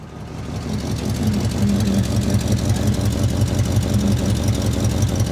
Su música es inusual entre las obras de Strauss, un neoclásico.